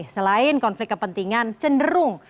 selain konflik kepentingan cenderung